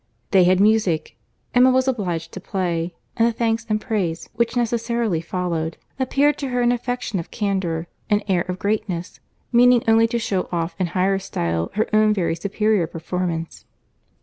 They had music; Emma was obliged to play; and the thanks and praise which necessarily followed appeared to her an affectation of candour, an air of greatness, meaning only to shew off in higher style her own very superior performance.